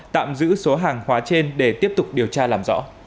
tạm giữ số hàng hóa trên để tiếp tục điều tra làm rõ